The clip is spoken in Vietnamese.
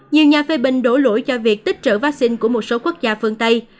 nhiều nhà phê bình đổ lỗi cho việc tích trữ vaccine của một số quốc gia phương tây